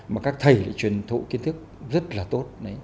mà các thầy lại truyền thụ kiến thức rất là tốt